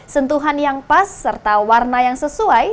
sentuhan yang pas serta warna yang sesuai